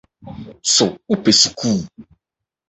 So wopɛ sukuu?